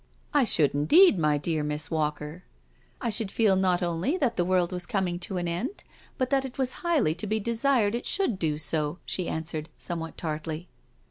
" I should, indeed, my dear Miss Walker. I should THE DINNER PARTY 237 feel not only that the world was coming to an end, but that it was highly to be desired it should do so/' sho answered, somewhat tartly.